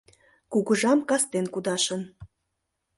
Кугыжам кастен, кудашын